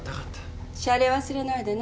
謝礼忘れないでね。